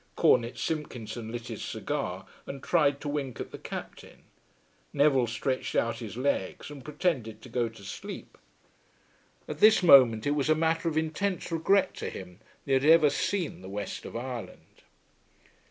Cornet Simpkinson lit his cigar, and tried to wink at the Captain. Neville stretched out his legs and pretended to go to sleep. At this moment it was a matter of intense regret to him that he had ever seen the West of Ireland.